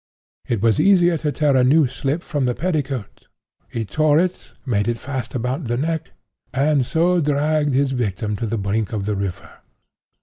It was easier to tear a new slip from the petticoat. He tore it, made it fast about the neck, and so dragged his victim to the brink of the river.